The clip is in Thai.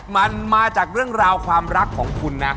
มันมาจากเรื่องราวความรักของคุณนะ